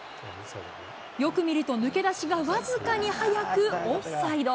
よく見ると、抜け出しが僅かに早く、オフサイド。